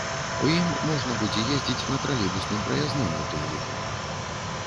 У ім можна будзе ездзіць на тралейбусным праязным у тым ліку.